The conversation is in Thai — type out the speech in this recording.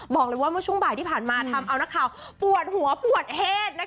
บอกว่าเมื่อช่วงบ่ายที่ผ่านมาทำเอานักข่าวปวดหัวปวดเหตุ